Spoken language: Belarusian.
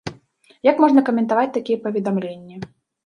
Як можна каментаваць такія паведамленні?